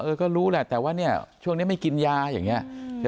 ก็รู้แหละแต่ว่าเนี่ยช่วงนี้ไม่กินยาอย่างนี้